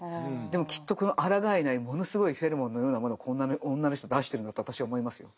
でもきっとこのあらがえないものすごいフェロモンのようなものを女の人出してるんだと私は思いますよ。